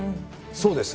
そうですね。